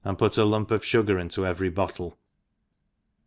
put a lump of fugar into every bottle.